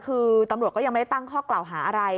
คือตำรวจก็ยังไม่ได้ตั้งข้อกล่าวหาอะไร